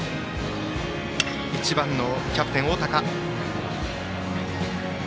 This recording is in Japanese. １番のキャプテン、大高。